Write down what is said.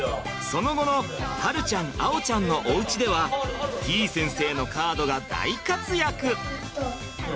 その後の晴ちゃん碧ちゃんのおうちではてぃ先生のカードが大活躍！